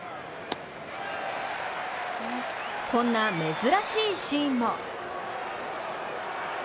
こんな珍しいシーンも。